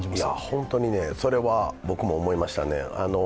本当にそれは僕も思いましたね。